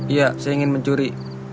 iya saya ingin mencuri